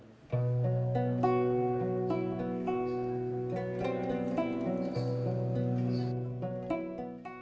adanya di ruangan malam barang barang periwet